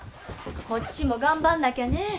こっちも頑張んなきゃね